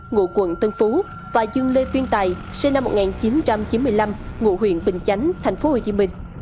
ngụ quận tân phú và dương lê tuyên tài sinh năm một nghìn chín trăm chín mươi năm ngụ huyện bình chánh tp hcm